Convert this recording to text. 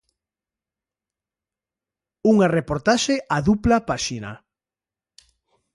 Unha reportaxe a dupla páxina.